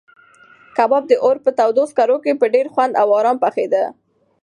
کباب د اور په تودو سکروټو کې په ډېر خوند او ارام پخېده.